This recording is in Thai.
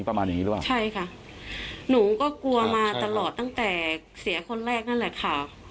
ประมาณอย่างนี้หรือเปล่าใช่ค่ะหนูก็กลัวมาตลอดตั้งแต่เสียคนแรกนั่นแหละค่ะ